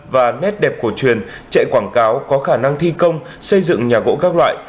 và nét đẹp cổ truyền chạy quảng cáo có khả năng thi công xây dựng nhà gỗ các loại